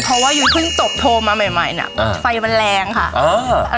เพราะว่ายุ้ยเพิ่งจบโทรมาใหม่นะไฟมันแรงค่ะ